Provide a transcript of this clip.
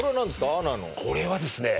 ＡＮＡのこれはですね